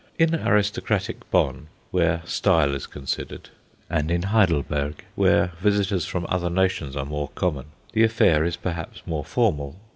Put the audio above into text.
In aristocratic Bonn, where style is considered, and in Heidelberg, where visitors from other nations are more common, the affair is perhaps more formal.